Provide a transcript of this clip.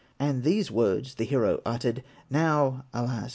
And these words the hero uttered: "Now alas!